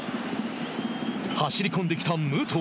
走り込んできた武藤。